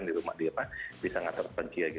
di rumah dia bisa gak terpencil